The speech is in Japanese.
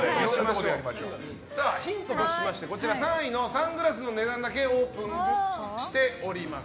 ヒントとしまして３位のサングラスの値段だけオープンしております。